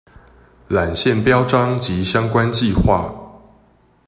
纜線標章及相關計畫